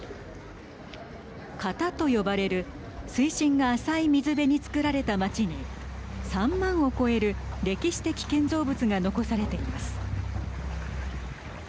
潟と呼ばれる水深が浅い水辺につくられた町に３万を超える歴史的建造物が残されています。